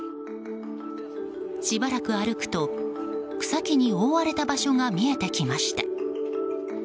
しばらく歩くと草木に覆われた場所が見えてきました。